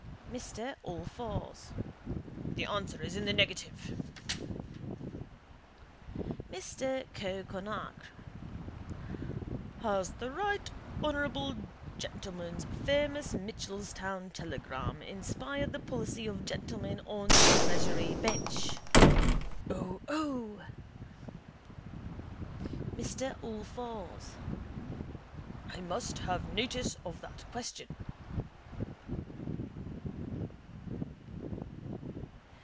Mr Allfours: The answer is in the negative. Mr Cowe Conacre: Has the right honourable gentleman's famous Mitchelstown telegram inspired the policy of gentlemen on the Treasury bench? (O! O!) Mr Allfours: I must have notice of that question.